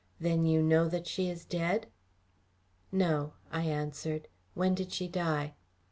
Then you know that she is dead?" "No," I answered. "When did she die?"